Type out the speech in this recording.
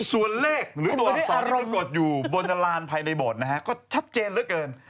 ส่วนเลขหรือตัวอักษรปรากฏอยู่บนลานภายในโบสถ์นะฮะก็ชัดเจนเหลือเกิน